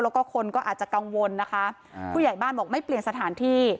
แล้วก็คนก็อาจจะกังวลนะคะผู้ใหญ่บ้านบอกไม่เปลี่ยนสถานที่